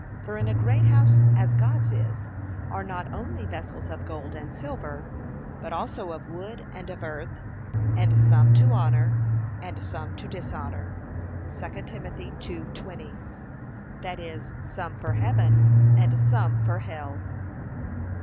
For 'in a great house' as God's is, 'are not only vessels of gold and silver, but also of wood and of earth, and some to honour, and some to dishonour.' (2 Tim 2:20) That is, some for heaven and some for hell.